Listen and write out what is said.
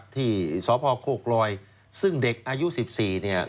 ที่สพโคกลอยซึ่งเด็กอายุ๑๔เนี่ย